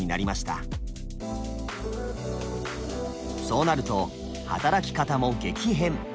そうなると働き方も激変。